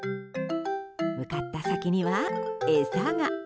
向かった先には餌が。